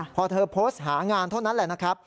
พอเธอโพสต์หางานเท่านั้นแหละนะครับ